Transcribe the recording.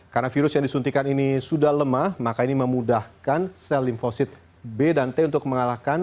karena virus yang disuntikkan ini sudah lemah maka ini memudahkan sel limfosit b dan t untuk mengalahkan